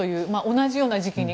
同じような時期に。